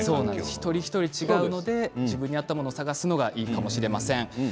一人一人違うので自分に合ったものを探すのがいいかもしれません。